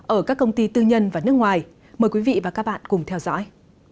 ở các công ty tư nhân và nước ngoài mời quý vị và các bạn cùng theo dõi